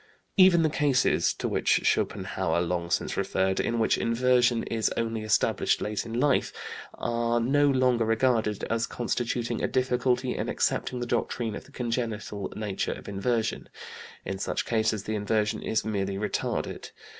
Even the cases (to which Schopenhauer long since referred) in which inversion is only established late in life, are no longer regarded as constituting a difficulty in accepting the doctrine of the congenital nature of inversion; in such cases the inversion is merely retarded.